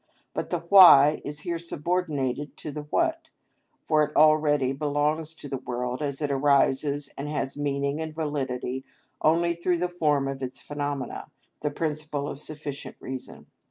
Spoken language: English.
But the why is here subordinated to the what, for it already belongs to the world, as it arises and has meaning and validity only through the form of its phenomena, the principle of sufficient reason.